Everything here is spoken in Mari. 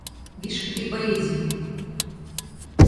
Вишкыде поэзий...